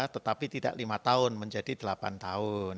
tetapi tidak lima tahun menjadi delapan tahun